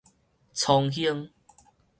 窗兄